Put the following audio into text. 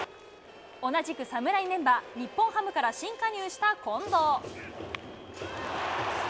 同じく侍メンバー、日本ハムから新加入した近藤。